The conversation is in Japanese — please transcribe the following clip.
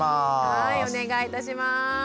はいお願いいたします。